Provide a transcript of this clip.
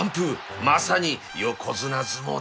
まさに横綱相撲だった